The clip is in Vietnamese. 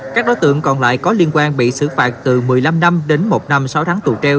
các đối tượng còn lại có liên quan bị xử phạt từ một mươi năm năm đến một năm sáu tháng tù treo